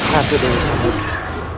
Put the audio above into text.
ratu dewi samudera